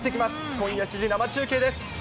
今夜７時、生中継です。